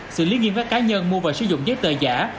sự liên liên với cá nhân mua và sử dụng giấy tờ giả